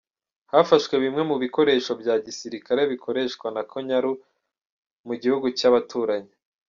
Hafashwe bimwe mu bikoresho bya gisirikare bikoreshwa na Konyaru Mugihugu Cya baturanyi